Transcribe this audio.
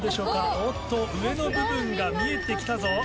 おっと上の部分が見えて来たぞ。